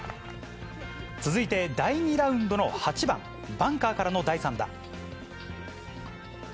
続いて第２ラウンドの８番、バンカーからの第３打。